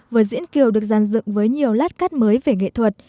vở diễn kiều được dàn dựng với nhiều lát cắt mới về nghệ thuật